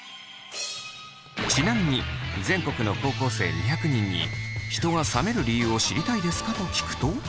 ちなみに全国の高校生２００人に「人が冷める理由を知りたいですか？」と聞くと。